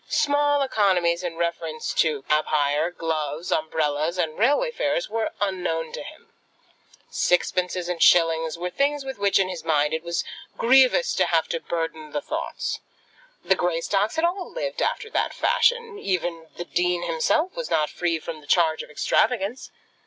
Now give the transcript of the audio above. Small economies in reference to cab hire, gloves, umbrellas, and railway fares were unknown to him. Sixpences and shillings were things with which, in his mind, it was grievous to have to burden the thoughts. The Greystocks had all lived after that fashion. Even the dean himself was not free from the charge of extravagance.